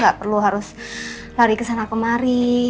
nggak perlu harus lari kesana kemari